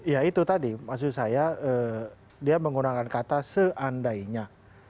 ya itu tadi maksud saya dia menggunakan kata seandainya